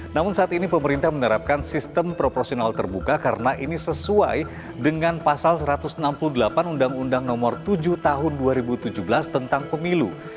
namun saat ini pemerintah menerapkan sistem proporsional terbuka karena ini sesuai dengan pasal satu ratus enam puluh delapan undang undang nomor tujuh tahun dua ribu tujuh belas tentang pemilu